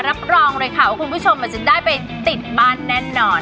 รับรองเลยค่ะว่าคุณผู้ชมอาจจะได้ไปติดบ้านแน่นอน